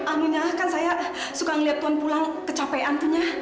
anunya kan saya suka ngeliat tuan pulang kecapean tunya